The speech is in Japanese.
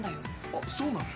あっそうなの？